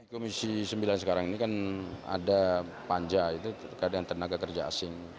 komisi sembilan sekarang ini kan ada panja itu terkait dengan tenaga kerja asing